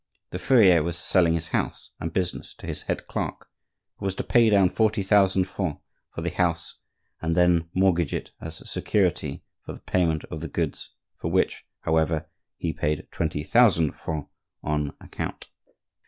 The furrier was selling his house and business to his head clerk, who was to pay down forty thousand francs for the house and then mortgage it as security for the payment of the goods, for which, however, he paid twenty thousand francs on account.